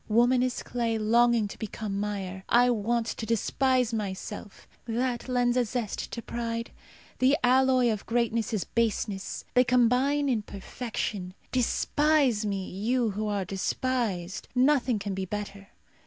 Woman is clay longing to become mire. I want to despise myself. That lends a zest to pride. The alloy of greatness is baseness. They combine in perfection. Despise me, you who are despised. Nothing can be better.